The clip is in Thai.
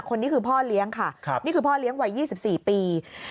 คนนี้คือพ่อเลี้ยงค่ะนี่คือพ่อเลี้ยงวัย๒๔ปี